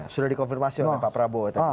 sudah dikonfirmasi oleh pak prabowo